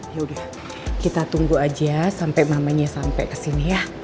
yaudah kita tunggu aja sampe mamanya sampe kesini ya